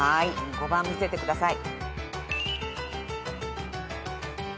５番見せてください。